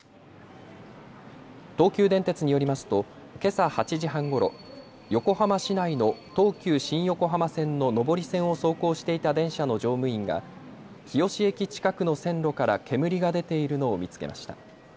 東急電鉄によりますとけさ８時半ごろ、横浜市内の東急新横浜線の上り線を走行していた電車の乗務員が日吉駅近くの線路から煙が出ているのを見つけました。